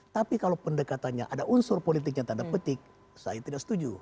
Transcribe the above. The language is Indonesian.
tapi kalau pendekatannya ada unsur politiknya tanda petik saya tidak setuju